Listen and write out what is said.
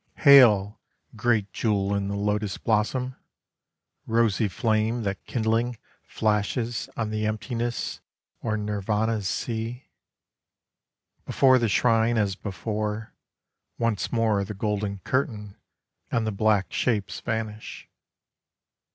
Hail, great jewel in the lotus blossom! Rosy flame that kindling Flashes on the emptiness Or Nirvana's sea! Before the shrine, as before, Once more the golden curtain, And the black shapes vanish.